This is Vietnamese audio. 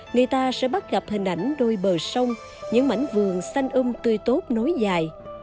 người ta sẽ bắt gặp hình ảnh đôi bờ sông những mảnh vườn xanh ưm tươi tốt nối dài